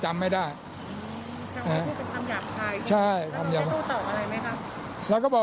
จำไว้ที่เป็นคำหยัดภายใช่คำหยัดภายแล้วมันได้ตู้เตาะอะไรไหมครับ